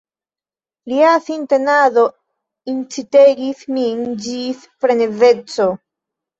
Lia sintenado incitegis min ĝis frenezeco.